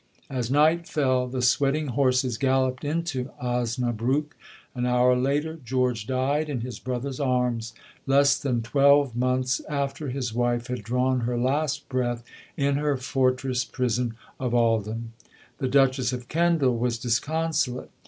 '" As night fell the sweating horses galloped into Osnabrück; an hour later George died in his brother's arms, less than twelve months after his wife had drawn her last breath in her fortress prison of Ahlden. The Duchess of Kendal was disconsolate.